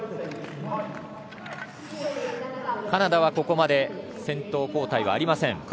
カナダはここまで先頭交代はありません。